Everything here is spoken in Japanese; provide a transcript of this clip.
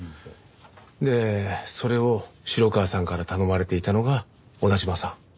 でそれを城川さんから頼まれていたのが小田嶋さん。